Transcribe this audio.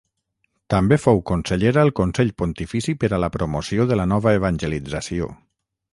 També fou consellera al Consell Pontifici per a la Promoció de la Nova Evangelització.